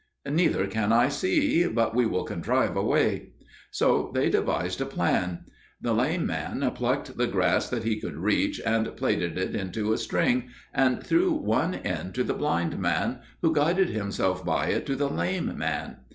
"Neither can I see; but we will contrive a way." So they devised a plan. The lame man plucked the grass that he could reach, and plaited it into a string, and threw one end to the blind man, who guided himself by it to the lame man.